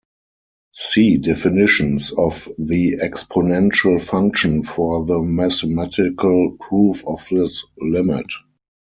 See definitions of the exponential function for the mathematical proof of this limit.